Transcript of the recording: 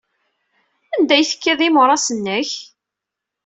Anda ay tekkiḍ imuras-nnek?